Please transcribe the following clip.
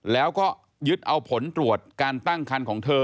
แล้วก็ยึดเอาผลตรวจการตั้งคันของเธอ